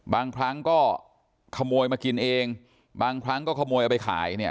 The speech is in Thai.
บางครั้งก็ขโมยมากินเองบางครั้งก็ขโมยเอาไปขายเนี่ย